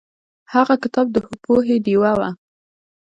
هغه کتاب د پوهې ډیوه وه.